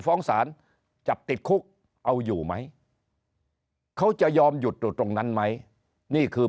ฟ้องศาลจับติดคุกเอาอยู่ไหมเขาจะยอมหยุดอยู่ตรงนั้นไหมนี่คือ